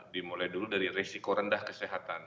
dimulai dulu dari resiko rendah kesehatan